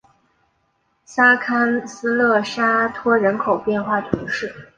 萨勒斯勒沙托人口变化图示